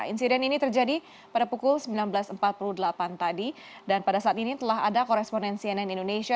insiden ini terjadi pada pukul sembilan belas empat puluh delapan tadi dan pada saat ini telah ada koresponen cnn indonesia